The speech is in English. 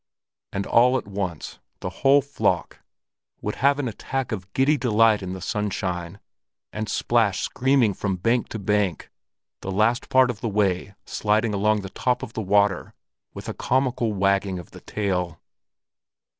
And all at once the whole flock would have an attack of giddy delight in the sunshine, and splash screaming from bank to bank, the last part of the way sliding along the top of the water with a comical wagging of the tail.